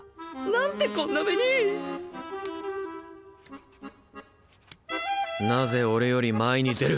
なんでこんな目になぜオレより前に出る。